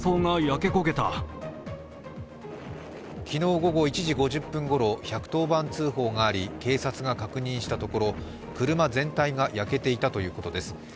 昨日午後１時５０分ごろ、１１０番通報があり、警察が確認したところ車全体が焼けていたということです。